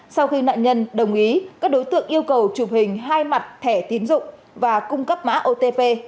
sau khi nạn nhân đồng ý các đối tượng yêu cầu chụp hình hai mặt thẻ tín dụng và cung cấp mã otp